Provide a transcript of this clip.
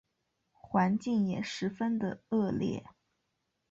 环境也十分的恶劣